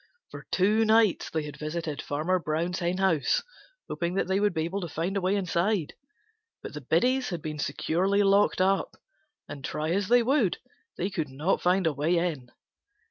For two nights they had visited Farmer Brown's henhouse, hoping that they would be able to find a way inside. But the biddies had been securely locked up, and try as they would, they couldn't find a way in.